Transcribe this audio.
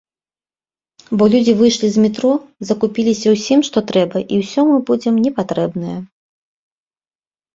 Бо людзі выйшлі з метро, закупіліся ўсім, што трэба і ўсё мы будзем непатрэбныя.